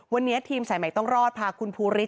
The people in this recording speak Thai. วันนี้ทีมสายใหม่ต้องรอดพาคุณภูริส